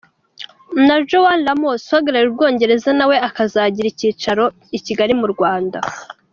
Na Joanne Lomas uhagarariye Ubwongereza nawe akazagira icyicaro i Kigali mu Rwanda.